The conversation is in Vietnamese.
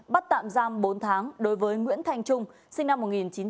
bắt tạm giam bốn tháng đối với nguyễn thành trung sinh năm một nghìn chín trăm chín mươi ba